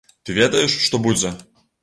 Ты ведаеш, што будзе.